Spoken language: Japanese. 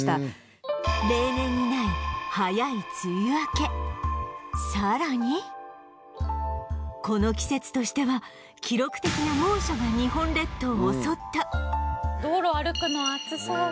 しかしそして今日さらにこの季節としては記録的な猛暑が日本列島を襲った道路歩くの暑そう。